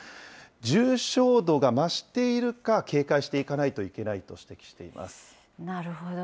重症度が増しているか警戒していかないといけないと指摘していまなるほど。